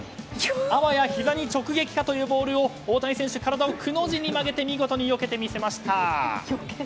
あわやひざに直撃かというボールを大谷選手、体をくの字に曲げてよけてみせました。